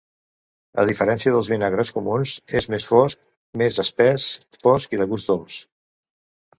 A diferència dels vinagres comuns, és més fosc, més espès, fosc i de gust dolç.